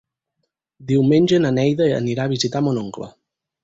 Diumenge na Neida anirà a visitar mon oncle.